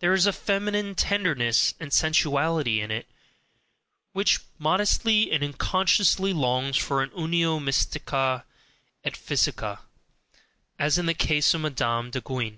There is a feminine tenderness and sensuality in it, which modestly and unconsciously longs for a UNIO MYSTICA ET PHYSICA, as in the case of Madame de Guyon.